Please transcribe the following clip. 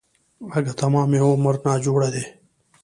اگه تمام عمر ناجوړه دی.